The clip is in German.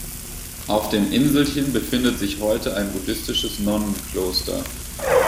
Auf dem Inselchen befindet sich heute ein buddhistisches Nonnenkloster.